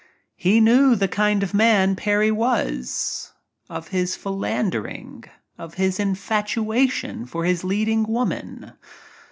He knew the kind of a man Parry was — of his philandering, of his infatuation for his leading woman.